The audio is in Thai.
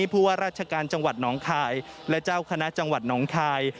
ผู้ว่าราชการจังหวัดหนองคายและเจ้าคณะจังหวัดหนองคาย